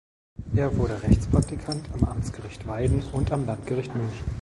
Er wurde Rechtspraktikant am Amtsgericht Weiden und am Landgericht München.